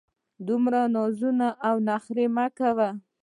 دومره نازونه او نخرې مه کوه!